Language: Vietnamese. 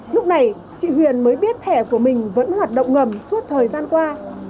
lúc này chị huyền mới biết thẻ của mình vẫn hoạt động ngầm suốt thời gian qua